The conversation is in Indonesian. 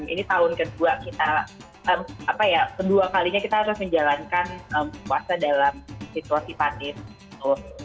ini tahun kedua kita kedua kalinya kita harus menjalankan puasa dalam situasi pandemi